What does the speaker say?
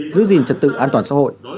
giữ gìn trật tự an toàn xã hội